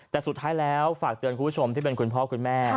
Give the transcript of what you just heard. แต่สุดท้ายแล้วฝากเตือนคุณผู้ชมที่เป็นคุณพ่อคุณแม่